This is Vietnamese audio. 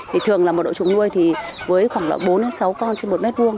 thì thường là mật độ trường nuôi thì với khoảng bốn sáu con trên một mét vuông